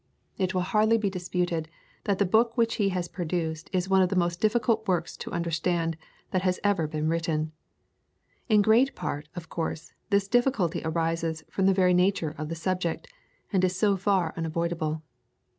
It will hardly be disputed that the book which he has produced is one of the most difficult books to understand that has ever been written. In great part, of course, this difficulty arises from the very nature of the subject, and is so far unavoidable.